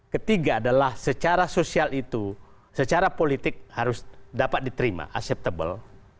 ketiga adalah secara sosial itu secara politik harus dapat diterima acceptable